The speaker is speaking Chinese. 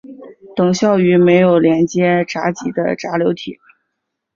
等效于没有连接闸极的闸流体。